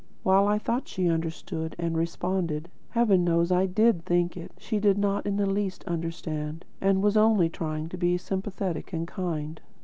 While I thought she understood and responded, Heaven knows I DID think it, she did not in the least understand, and was only trying to be sympathetic and kind."